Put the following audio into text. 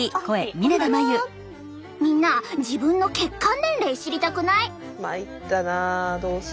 みんな自分の血管年齢知りたくない？